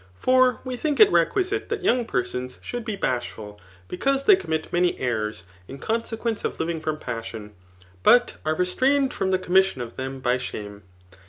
For we thmk it requidte that young persons should be bash* ful, because they commit many errors in consequence of living from passion, but are restrained from the commis* don of them by shame.